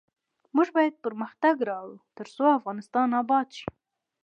موږ باید پرمختګ راوړو ، ترڅو افغانستان اباد شي.